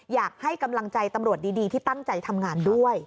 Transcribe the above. อยากให้กำลังใจตำรวจดีที่ตั้งใจทำงานด้วย